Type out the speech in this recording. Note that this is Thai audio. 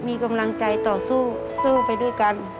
มีกำลังใจต่อสู้สู้ไปด้วยกัน